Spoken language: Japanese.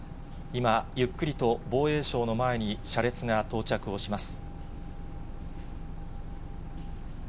今、ゆっくりと防衛省の前に車列が到着をします。